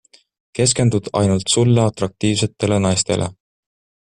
Keskendud ainult sulle atraktiivsetele naistele.